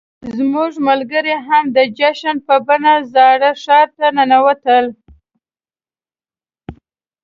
زموږ ملګري هم د جشن په بڼه زاړه ښار ته ننوتل.